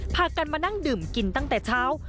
พากันมานั่งดื่มกินตั้งแต่เช้า